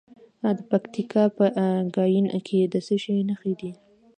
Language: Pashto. د پکتیکا په ګیان کې د څه شي نښې دي؟